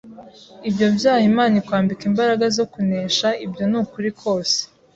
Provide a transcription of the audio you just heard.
ibyo byaha Imana ikwambika imbaraga zo kunesha ibyo ni ukuri kose